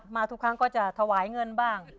มาทุกครั้งก็จะถวายเงินบ้าง